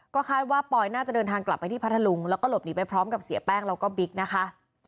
ก็คาดว่าปอยน่าจะเดินทางกลับไปที่พัทธลุงแล้วก็หลบหนีไปพร้อมกับเสียแป้งแล้วก็บิ๊กนะคะ